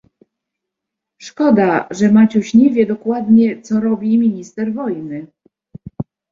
"Szkoda, że Maciuś nie wie dokładnie, co robi minister wojny."